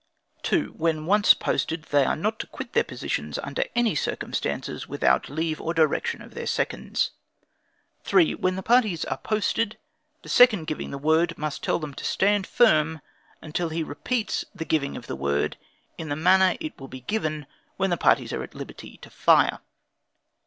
2. When once posted, they are not to quit their positions under any circumstances, without leave or direction of their seconds. 3. When the principals are posted, the second giving the word, must tell them to stand firm until he repeats the giving of the word, in the manner it will be given when the parties are at liberty to fire.